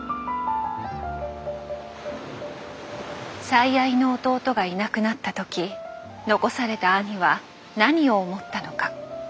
最愛の弟がいなくなった時残された兄は何を思ったのか。